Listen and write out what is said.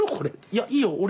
いやいいよ俺。